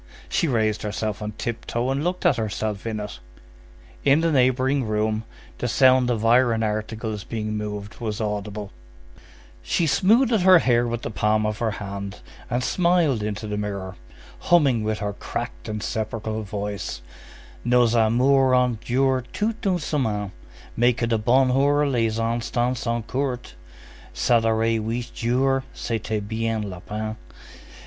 She raised herself on tiptoe and looked at herself in it. In the neighboring room, the sound of iron articles being moved was audible. She smoothed her hair with the palm of her hand, and smiled into the mirror, humming with her cracked and sepulchral voice:— Nos amours ont duré toute une semaine, Mais que du bonheur les instants sont courts! S'adorer huit jours, c'était bien la peine!